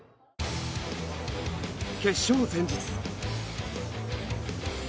決勝前日。